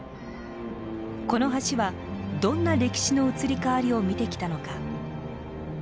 この橋はどんな歴史の移り変わりを見てきたのか。